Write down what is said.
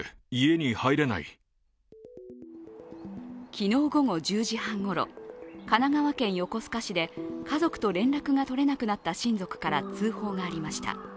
昨日午後１０時半ごろ、神奈川県横須賀市で家族と連絡が取れなくなった親族から通報がありました。